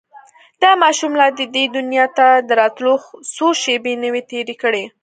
دا ماشوم لا دې دنيا ته د راتلو څو شېبې نه وې تېرې کړې.